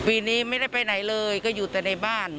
ปีนี้ไม่ได้ไปไหนเลยก็อยู่แต่ในบ้าน